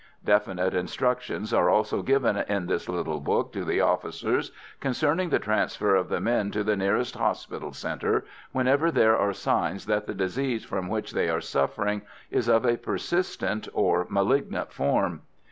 Definite instructions are also given in this little book to the officers, concerning the transfer of the men to the nearest hospital centre, whenever there are signs that the disease from which they are suffering is of a persistent or malignant form.